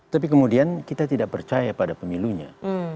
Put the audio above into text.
tapi kemudian kita tidak percaya pada pemilunya